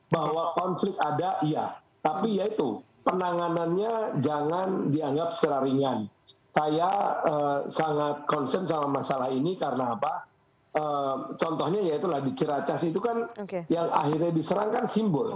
bahwa konflik ada iya tapi penanganannya jangan dianggap secara ringan saya sangatinformasi soal masalah ini karena contohnya iya tuh di ciracas itu kan yang akhirnya diserang kan simbol